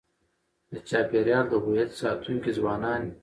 د چاپېریال د هویت ساتونکي ځوانان دي.